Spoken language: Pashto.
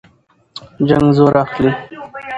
جنګ زور اخلي.